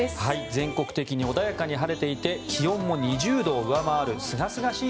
全国的に穏やかに晴れていて気温も２０度を上回るすがすがしい